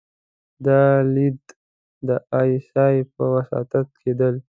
دا ليدل د ای اس ای په وساطت کېدل.